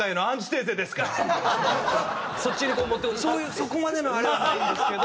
「そこまでのあれはないんですけど」